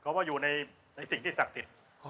ว่าอยู่ในสิ่งที่ศักดิ์สิทธิ์